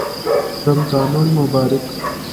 رمضان المبارک